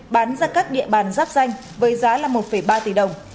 bán ra các địa bàn giáp danh với giá là một ba tỷ đồng